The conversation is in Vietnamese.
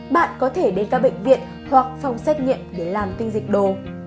bạn có thể đến các bệnh viện hoặc phòng xét nghiệm để làm kinh dịch đồ